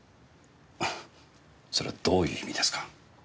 それはどういう意味ですか？